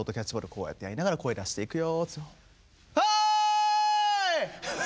こうやってやりながら声出して行くよってハーイ！